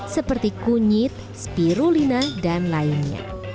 seperti kunyit spirulina dan lainnya